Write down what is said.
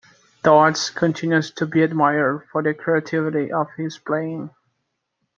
Dodds continues to be admired for the creativity of his playing.